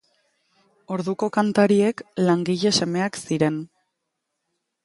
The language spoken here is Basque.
Orduko kantariek, langile semeak ziren.